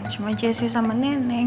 cuma jessy sama neneng